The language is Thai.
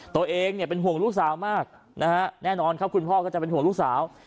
ตัวเองเนี่ยเป็นห่วงลูกสาวมากนะฮะแน่นอนครับคุณพ่อก็จะเป็นห่วงลูกสาว